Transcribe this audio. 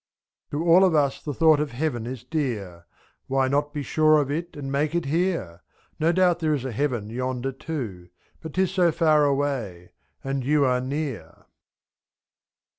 To all of us the thought of heaven is dear — Why not be sure of it and make it here ? ^i'No doubt there is a heaven yonder too. But 'tis so far away — and you are near.